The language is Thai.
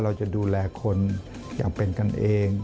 เราจะดูแลคนอย่างเป็นกันเอง